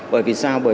bởi vì sao